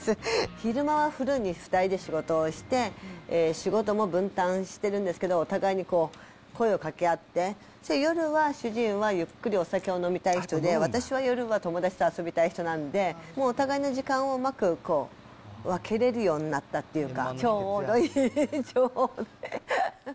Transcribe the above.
昼間はフルで２人で仕事をして、仕事も分担してるんですけど、お互いに声をかけ合って、夜は主人はゆっくりお酒を飲みたい人で、私は夜は友達と遊びたい人なんで、もうお互いの時間をうまく分けれるようになったっていうか、ちょうどいい、ちょうどね。